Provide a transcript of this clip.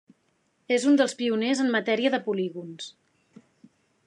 És un dels pioners en matèria de polígons.